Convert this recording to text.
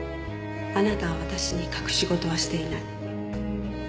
あなたは私に隠し事はしていない。